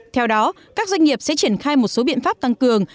theo đó các doanh nghiệp sẽ triển khai một số biện pháp tăng cường